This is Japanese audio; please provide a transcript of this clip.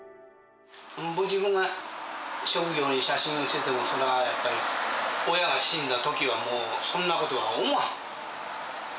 自分が職業に写真をしてても、それはやっぱり、親が死んだときはもう、そんなことは思わん。